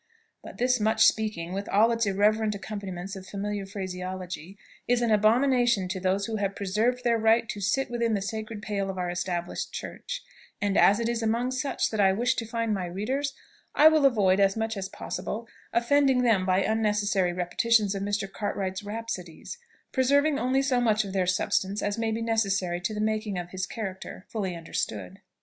But this "much speaking," with all its irreverent accompaniments of familiar phraseology, is an abomination to those who have preserved their right to sit within the sacred pale of our established church; and as it is among such that I wish to find my readers, I will avoid, as much as possible, offending them by unnecessary repetitions of Mr. Cartwright's rhapsodies, preserving only so much of their substance as may be necessary to the making his character fully understood.